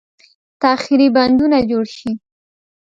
تاخیري بندونه جوړ شي.